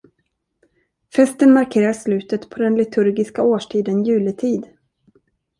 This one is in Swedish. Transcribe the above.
Festen markerar slutet på den liturgiska årstiden juletid.